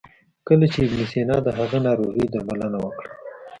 کله چې ابن سینا د هغه ناروغي درملنه وکړه.